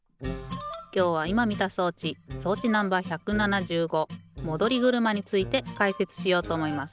きょうはいまみた装置装置Ｎｏ．１７５戻り車についてかいせつしようとおもいます。